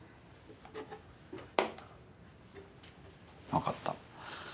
分かった。